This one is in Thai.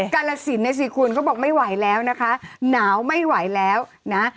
กาลสินนะสิคุณเขาบอกไม่ไหวแล้วนะคะหนาวไม่ไหวแล้วนะ